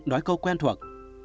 nói câu quen thuộc